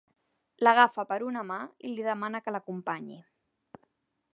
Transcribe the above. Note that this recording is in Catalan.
L'agafa per una mà i li demana que l'acompanyi.